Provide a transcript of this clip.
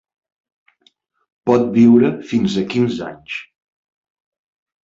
Pot viure fins a quinze anys.